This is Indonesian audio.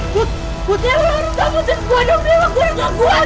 lu harus ngametin gua dong dewa